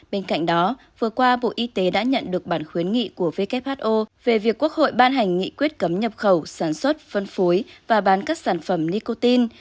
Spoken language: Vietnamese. bên cạnh đó vừa qua bộ y tế đã nhận được bản khuyến nghị của who về việc quốc hội ban hành nghị quyết cấm nhập khẩu sản xuất phân phối và bán các sản phẩm nicotine